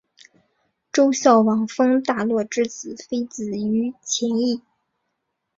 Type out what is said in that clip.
周孝王封大骆之子非子于秦邑。